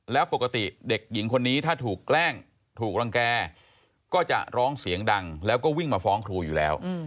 แล้วปกติเด็กหญิงคนนี้ถ้าถูกแกล้งถูกรังแก่ก็จะร้องเสียงดังแล้วก็วิ่งมาฟ้องครูอยู่แล้ว